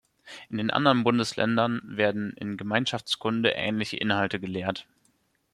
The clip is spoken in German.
In den anderen Bundesländern werden in Gemeinschaftskunde ähnliche Inhalte gelehrt.